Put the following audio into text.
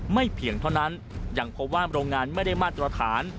ไม่เพียงเท่านั้นอย่างเพราะว่าโรงงานไม่ได้มาตรฐาน